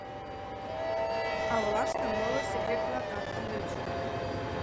А олаште моло секрет-влакат ыльыч.